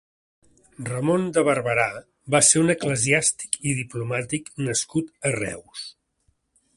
Ramon de Barberà va ser un eclesiàstic i diplomàtic nascut a Reus.